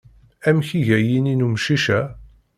Amek iga yini n umcic-a?